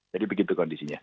jadi begitu kondisinya